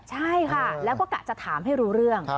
ใช่ค่ะแล้วก็กะจะถามให้รู้เรื่อง